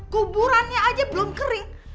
kuburannya aja belum kering